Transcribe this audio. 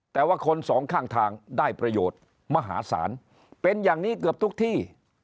แต่ว่าคนสองข้างทางได้ประโยชน์มหาศาลเป็นอย่างนี้เกือบทุกที่